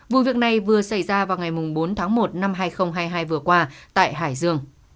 vụ việc này vừa xảy ra vào ngày bốn tháng một năm hai nghìn hai mươi hai vừa qua tại hải dương